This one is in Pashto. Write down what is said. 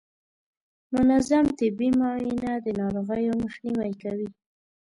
منظم طبي معاینه د ناروغیو مخنیوی کوي.